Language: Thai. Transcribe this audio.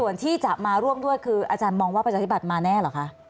ส่วนที่จะมาร่วมด้วยคืออาจารย์มองว่าประชาธิบัติมาแน่เหรอคะ